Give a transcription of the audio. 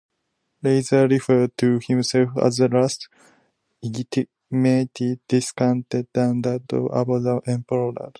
Lazier referred to himself as the last legitimate descendant of the emperors.